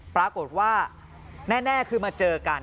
ปรากฏว่าแน่คือมาเจอกัน